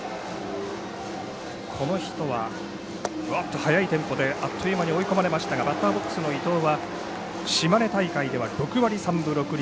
速いテンポであっという間に追い込まれましたがバッターボックスの伊藤は島根大会では６割３分６厘。